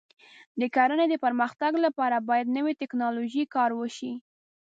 د کرنې د پرمختګ لپاره باید د نوې ټکنالوژۍ کار وشي.